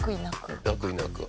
悪意なく？